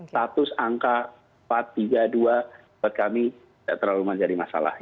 status angka empat tiga dua buat kami tidak terlalu menjadi masalah